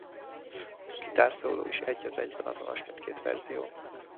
A gitárszóló is egy az egyben azonos mindkét verzión.